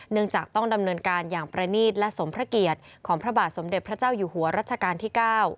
จากต้องดำเนินการอย่างประนีตและสมพระเกียรติของพระบาทสมเด็จพระเจ้าอยู่หัวรัชกาลที่๙